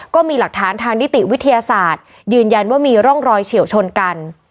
ก็มีหลักฐานทางนิติวิทยาศาสตร์ยืนยันว่ามีร่องรอยเฉียวชนกัน